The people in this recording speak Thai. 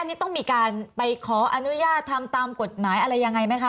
นี่ต้องมีการไปขออนุญาตทำตามกฎหมายอะไรยังไงไหมคะ